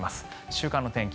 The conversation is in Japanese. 週間の天気